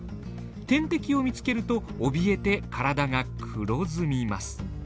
天敵を見つけるとおびえて体が黒ずみます。